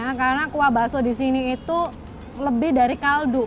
nah karena kuah bakso disini itu lebih dari kaldu